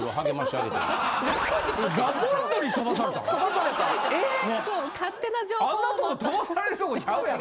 あんなとこ飛ばされるとこちゃうやろ。